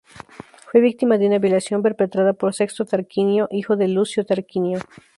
Fue víctima de una violación perpetrada por Sexto Tarquinio, hijo de Lucio Tarquinio.